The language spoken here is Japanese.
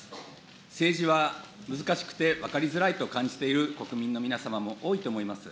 政治は難しくて分かりづらいと感じている国民の皆様も多いと思います。